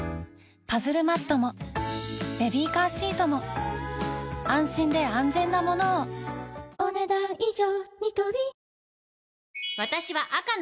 パズルマットもベビーカーシートも安心で安全なものをお、ねだん以上。